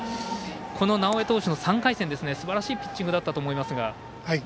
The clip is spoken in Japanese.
この直江投手の３回戦、すばらしいピッチングだったと思いますが。